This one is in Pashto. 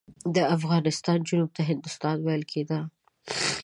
د افغانستان جنوب ته هندوستان ویل کېده.